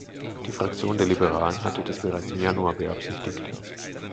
Die Fraktion der Liberalen hatte das bereits im Januar beabsichtigt.